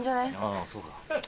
あそうか。